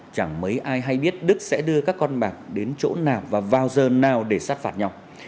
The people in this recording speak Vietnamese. chẳng mấy ai hay biết đức sẽ đưa các con bạc đến chỗ nào và vào giờ nào để sát phạt nhau